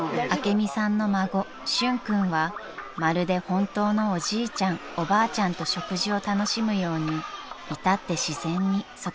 ［朱美さんの孫俊君はまるで本当のおじいちゃんおばあちゃんと食事を楽しむように至って自然にそこにいました］